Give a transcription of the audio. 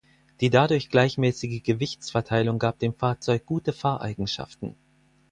Die dadurch gleichmäßige Gewichtsverteilung gab dem Fahrzeug gute Fahreigenschaften.